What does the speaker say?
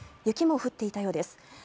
雪も降っていたようです。